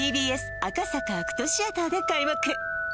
ＴＢＳ赤坂ＡＣＴシアターで開幕